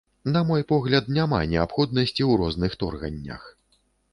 На мой погляд, няма неабходнасці ў розных торганнях.